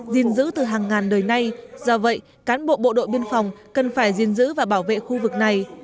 gìn giữ từ hàng ngàn đời nay do vậy cán bộ bộ đội biên phòng cần phải diên giữ và bảo vệ khu vực này